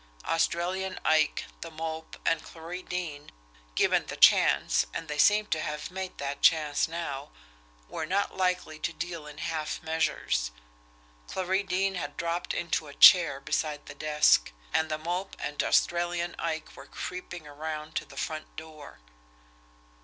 Australian Ike, The Mope, and Clarie Deane, given the chance, and they seemed to have made that chance now, were not likely to deal in half measures Clarie Deane had dropped into a chair beside the desk; and The Mope and Australian Ike were creeping around to the front door!